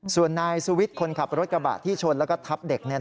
ส่วนนายสุวิทย์คนขับรถกระบะที่ชนแล้วก็ทับเด็ก